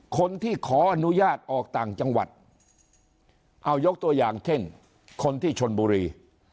คนที่ขออนุญาตออกต่างจังหวัดเอายกตัวอย่างเช่นคนที่ชนบุรี